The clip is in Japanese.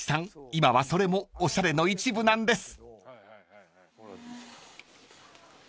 今はそれもおしゃれの一部なんです］